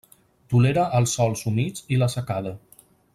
Tolera els sòls humits i la secada.